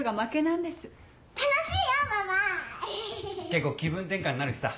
結構気分転換になるしさ。